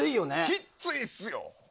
きっついっすよ。